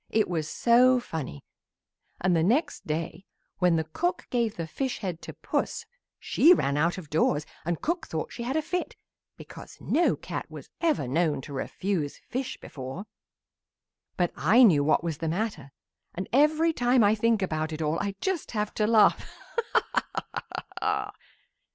it was so funny, and the next day when the cook gave the fish head to Puss she ran out of doors and cook thought she had a fit because no cat was ever known to refuse fish before. "But I knew what was the matter, and every time I think about it all I just have to laugh. Ha! ha! ha!"